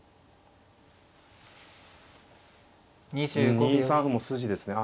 うん２三歩も筋ですね。